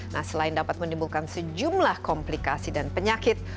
nah selain dapat menimbulkan sejumlah komplikasi dan penyakit